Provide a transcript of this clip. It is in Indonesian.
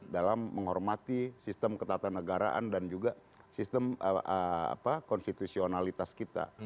dalam menghormati sistem ketatanegaraan dan juga sistem konstitusionalitas kita